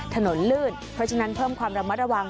ถนนลื่นเพราะฉะนั้นเพิ่มความระมัดระวัง